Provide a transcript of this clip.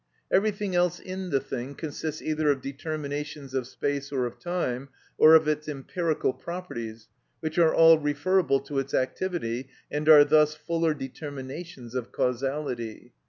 Everything else in the thing consists either of determinations of space or of time, or of its empirical properties, which are all referable to its activity, and are thus fuller determinations of causality.